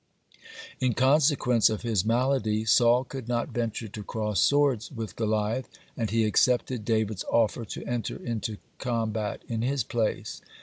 (34) In consequence of his malady, Saul could not venture to cross swords with Goliath, and he accepted David's offer to enter into combat in his place.